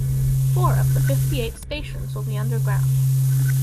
Four of the fifty-eight stations will be underground.